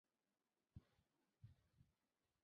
北九州市与福冈市合称为福北。